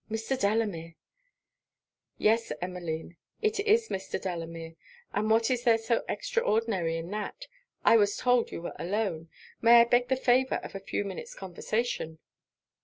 Mr. Delamere!' 'Yes, Emmeline, it is Mr. Delamere! and what is there so extraordinary in that? I was told you were alone: may I beg the favour of a few minutes conversation?'